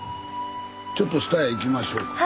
ちょっと下へ行きましょう。